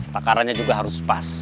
tekarannya juga harus pas